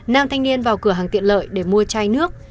nam thanh niên vào cửa hàng tiện lợi để mua chai nước